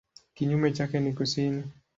Kinyume chake ni kusini.